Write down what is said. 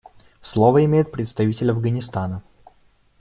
Слово имеет представитель Афганистана.